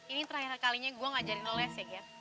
ini terakhir kalinya gue ngajarin lo les ya gir